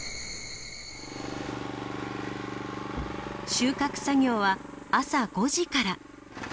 収穫作業は朝５時から。